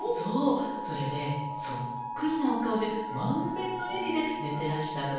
それでそっくりなお顔で満面の笑みで寝てらしたのよ。